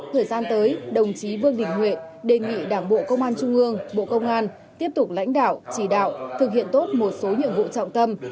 thời gian tới đồng chí vương đình huệ đề nghị đảng bộ công an trung ương bộ công an tiếp tục lãnh đạo chỉ đạo thực hiện tốt một số nhiệm vụ trọng tâm